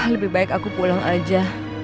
lebih baik aku pulang aja